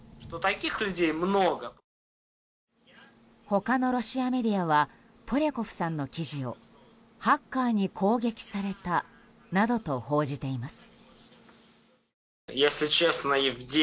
他のロシアメディアはポリャコフさんの記事をハッカーに攻撃されたなどと報じています。